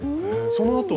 そのあとは？